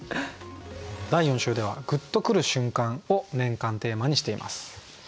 第４週では「グッとくる瞬間」を年間テーマにしています。